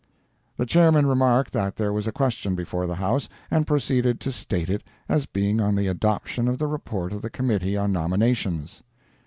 "] The Chairman remarked that there was a question before the house, and proceeded to state it as being on the adoption of the report of the Committee on Nominations.